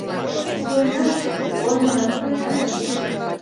— Шуынат, ойленат пуэнат!